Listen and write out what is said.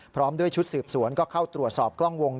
พร้อมด้วยชุดสืบสวนก็เข้าตรวจสอบกล้องวง